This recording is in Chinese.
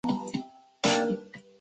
阿尔藏人口变化图示